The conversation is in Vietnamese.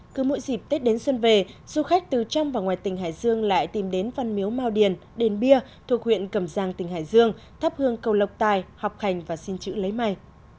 cứ mỗi dịp tết đến xuân về du khách từ trong và ngoài tỉnh hải dương lại tìm đến văn miếu mao điền đền bia thuộc huyện cầm giang tỉnh hải dương thắp hương cầu lộc tài học hành và xin chữ lấy may